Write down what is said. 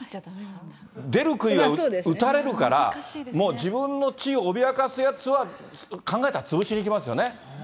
出る杭は打たれるから、もう自分の地位を脅かすやつは、考えたら潰しにいきますよね。